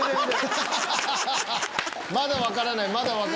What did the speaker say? まだ分からない。